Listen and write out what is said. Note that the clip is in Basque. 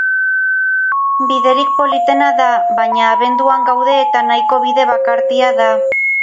Biderik politena da, baina abenduan gaude eta nahiko bide bakartia da.